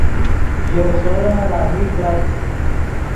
ژؤ سورن راہی کڑت